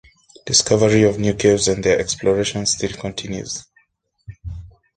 Discovery of new caves and their exploration still continues.